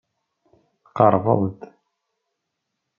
Tqerrbeḍ-d.